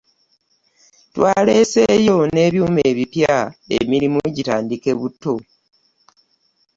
Twaleeseeyo n'ebyuma ebipya emirimu gitandike buto.